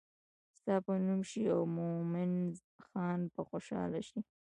ستا به نوم شي او مومن خان به خوشحاله شي.